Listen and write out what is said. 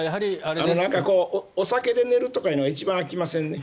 お酒で寝るとかいうのは一番あきませんね。